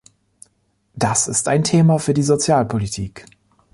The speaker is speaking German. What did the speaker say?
Das ist ein Thema für die Sozialpolitik.